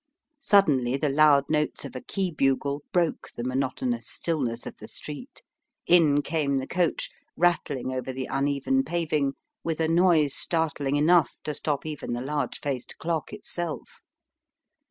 Suddenly, the loud notes of a key bugle broke the monotonous stillness of the street ; in came the coach, rattling over the uneven paving with a noise startling enough to stop even the large faced clock itself.